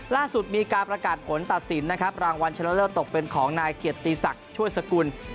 ล่าสุดมีการประกาศผลตัดสินนะครับรางวัลชนะเลิศตกเป็นของนายเกียรติศักดิ์ช่วยสกุล